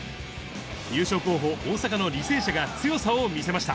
優勝候補、大阪の履正社が強さを見せました。